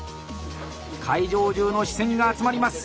会場中の視線が集まります。